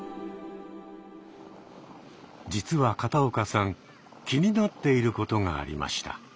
実は片岡さん気になっていることがありました。